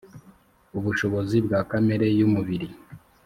ubushobozi bwa kamere y umubiri